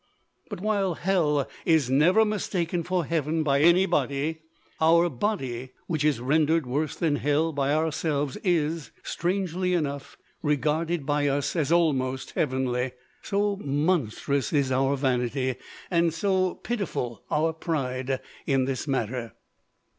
But, while hell is never mistaken for heaven by anybody, our body which is rendered worse than hell by ourselves is, strangely enough, regarded by us as almost heavenly! So monstrous is our vanity, and so pitiful our pride, in this matter!